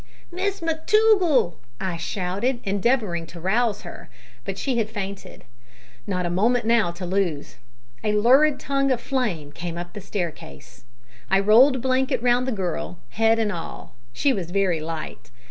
"Miss McTougall!" I shouted, endeavouring to rouse her; but she had fainted. Not a moment now to lose. A lurid tongue of flame came up the staircase. I rolled a blanket round the girl head and all. She was very light.